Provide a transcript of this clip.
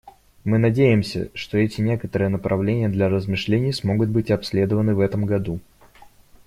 Мы надеемся, что эти некоторые направления для размышлений смогут быть обследованы в этом году.